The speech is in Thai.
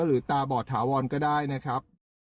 ตาบอดถาวรก็ได้นะครับ